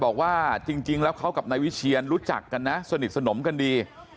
บอกว่าจริงแล้วเขากับนายวิเชียนรู้จักกันนะสนิทสนมกันดี